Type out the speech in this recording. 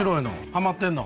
ハマってんの？